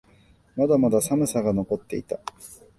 まだまだ寒さが残っていた。